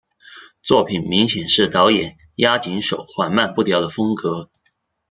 作品明显是导演押井守缓慢步调的风格。